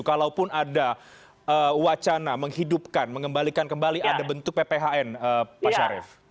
kalaupun ada wacana menghidupkan mengembalikan kembali ada bentuk pphn pak syarif